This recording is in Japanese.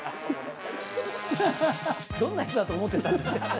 どんな人だと思ってたんです